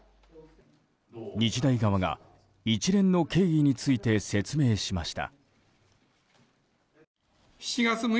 日大側が、一連の経緯について説明しました。